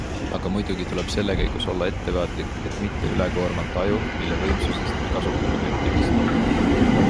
Aga muidugi tuleb selle käigus olla ettevaatlik, et mitte ülekoormata aju, mille võimsusest me kasutame vaid tühist osa.